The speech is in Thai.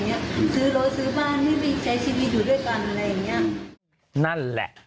ไม่ใช้ชีวิตอยู่ด้วยกันอะไรอย่างนี้